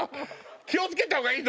気を付けたほうがいいぞ！